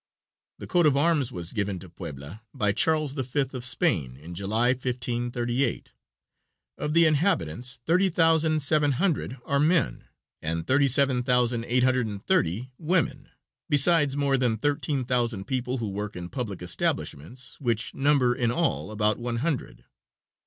The coat of arms was given to Puebla by Charles V. of Spain, in July, 1538. Of the inhabitants thirty thousand seven hundred are men and thirty seven thousand eight hundred and thirty women, besides more than thirteen thousand people who work in public establishments, which number in all about one hundred.